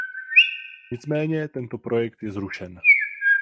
Nicméně tento projekt je zrušen.